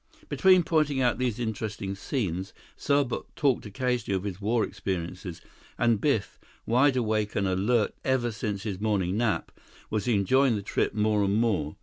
Between pointing out these interesting scenes, Serbot talked occasionally of his war experiences, and Biff, wide awake and alert ever since his morning nap, was enjoying the trip more and more.